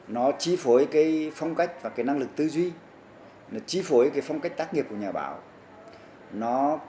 nó chi phối phong cách và năng lực tư duy chi phối phong cách tác nghiệp của nhà báo